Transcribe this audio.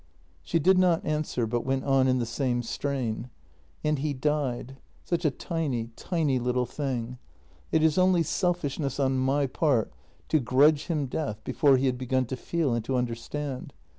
She did not answer, but went on in the same strain :" And he died — such a tiny, tiny little thing. It is only selfishness on my part to grudge him death before he had begun to feel and to understand.